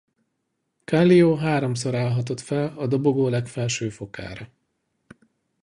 Kallio háromszor állhatott fel a dobogó legfelső fokára.